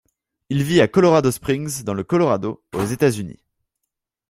Il vit à Colorado Springs, dans le Colorado aux États-Unis.